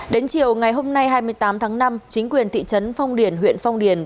đến chiều ngày hôm nay hai mươi tám tháng năm chính quyền thị trấn phong điền huyện phong điền